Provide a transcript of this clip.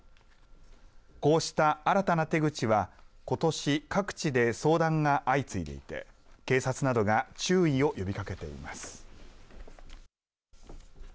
こうした新たな手口はことし、各地で相談が相次いでいて警察などが注意を呼びかけています。